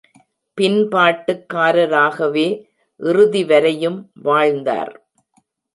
பின்பாட்டுக் காரராகவே இறுதி வரையும் வாழ்ந்தார்.